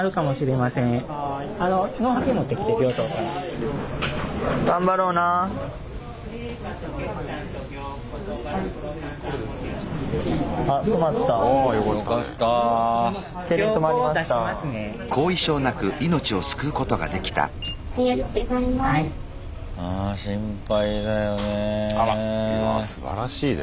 まあすばらしいね。